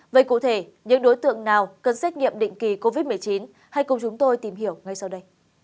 vậy cụ thể những đối tượng nào cần xét nghiệm định kỳ covid một mươi chín hãy cùng chúng tôi tìm hiểu ngay sau đây